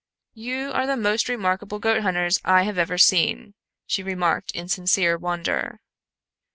"You are the most remarkable goat hunters I have ever seen," she remarked in sincere wonder.